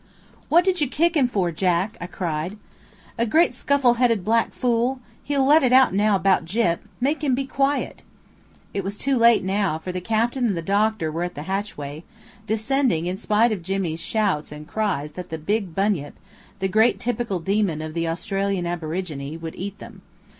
"What did you kick him for, Jack?" I cried. "A great scuffle headed black fool! he'll let it out now about Gyp. Make him be quiet." It was too late, for the captain and the doctor were at the hatchway, descending in spite of Jimmy's shouts and cries that the big bunyip the great typical demon of the Australian aborigine would eat them.